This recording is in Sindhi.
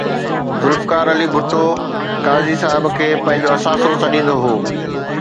ذوالفقار علي ڀٽو قاضي صاحب کي پنهنجو اثاثو سڏيندو هو